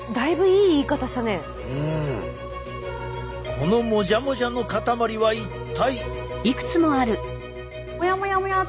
このもじゃもじゃの塊は一体。